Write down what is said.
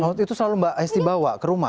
waktu itu selalu mbak esti bawa ke rumah